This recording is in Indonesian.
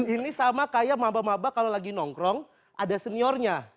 ini sama kayak mabah mabah kalau lagi nongkrong ada seniornya